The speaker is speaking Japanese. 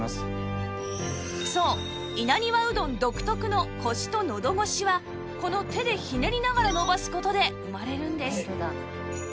そう稲庭うどん独特のコシとのど越しはこの手でひねりながら延ばす事で生まれるんです